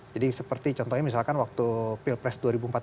jadi seperti contohnya misalkan waktu pilpres dua ribu empat belas